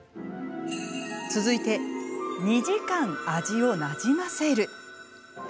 続いて、２時間味をなじませる。